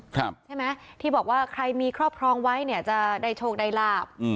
ใช่ไหมที่บอกว่าใครมีครอบครองไว้เนี่ยจะได้โชคได้ลาบ